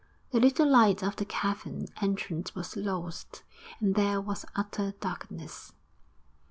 The little light of the cavern entrance was lost, and there was utter darkness.